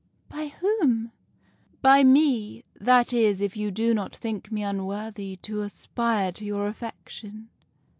"' By whom ?'"' By me. That is, if you do not think me unworthy to aspire to your affection.